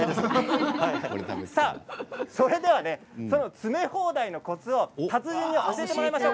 それでは詰め放題のコツを達人に教えていただきましょう。